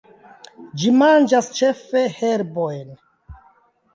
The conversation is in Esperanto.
Ĝi manĝas ĉefe herbojn.